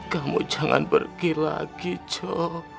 kamu jangan pergi lagi jo